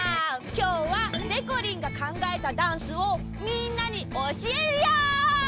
きょうはでこりんがかんがえたダンスをみんなにおしえるよ。